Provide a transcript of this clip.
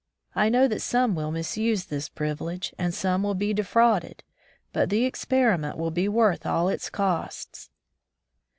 I know that some will misuse this privilege, and some will be defrauded, but the experiment will be worth all it costs."